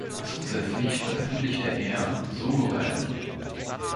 Zusätzlich veröffentlichte er Soloalben.